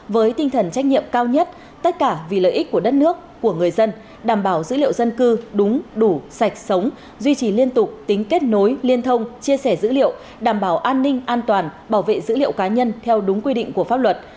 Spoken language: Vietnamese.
với tinh thần trách nhiệm cao nhất tất cả vì lợi ích của đất nước của người dân đảm bảo dữ liệu dân cư đúng đủ sạch sống duy trì liên tục tính kết nối liên thông chia sẻ dữ liệu đảm bảo an ninh an toàn bảo vệ dữ liệu cá nhân theo đúng quy định của pháp luật